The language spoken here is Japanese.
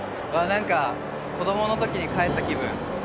何か子どもの時に帰った気分